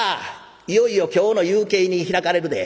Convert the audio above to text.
いよいよ今日の夕景に開かれるで。